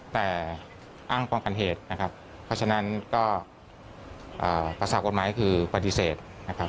แต่อ้างป้องกันเหตุนะครับเพราะฉะนั้นก็ภาษากฎหมายคือปฏิเสธนะครับ